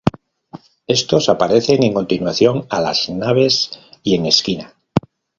Estos aparecen en continuación a las naves y en esquina.